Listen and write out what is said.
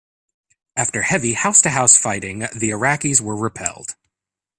After heavy house-to-house fighting, the Iraqis were repelled.